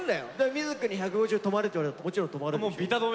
瑞稀くんに１５０止まれって言われたらもちろん止まるんでしょ？